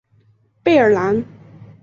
贝尔兰。